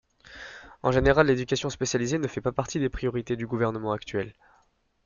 En général, l'éducation spécialisée ne fait pas partie des priorités du gouvernement actuel.